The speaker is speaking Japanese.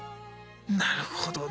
なるほどね。